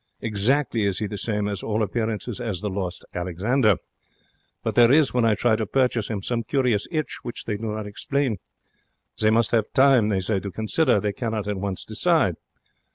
Exactly is he the same to all appearances as the lost Alexander. But there is, when I try to purchase 'im, some curious 'itch which they do not explain. They must 'ave time, they say, to consider. They cannot at once decide.'